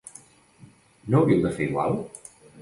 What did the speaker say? No hauríem de fer igual?